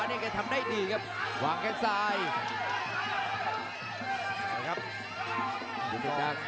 ประเภทมัยยังอย่างปักส่วนขวา